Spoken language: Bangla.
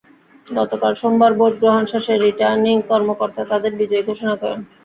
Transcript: গতকাল সোমবার ভোট গ্রহণ শেষে রিটার্নিং কর্মকর্তা তাঁদের বিজয়ী ঘোষণা করেন।